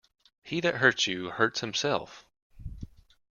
He that hurts another, hurts himself.